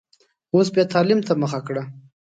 اوس بیا تعلیم ته مخه کړه.